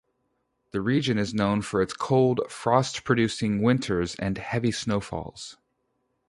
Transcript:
The region is known for its cold, frost-producing winters and heavy snowfall.